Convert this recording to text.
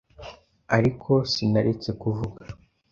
Ariko sinaretse kuvuga